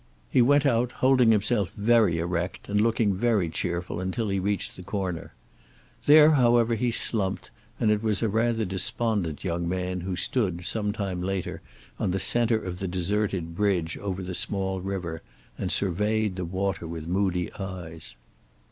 He went out, holding himself very erect and looking very cheerful until he reached the corner. There however he slumped, and it was a rather despondent young man who stood sometime later, on the center of the deserted bridge over the small river, and surveyed the water with moody eyes.